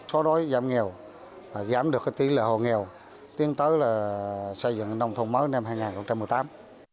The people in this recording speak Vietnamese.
số đối giám nghèo giám được tí lệ hộ nghèo tiến tới xây dựng nông thôn mới năm hai nghìn một mươi tám